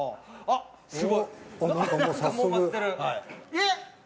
えっ！？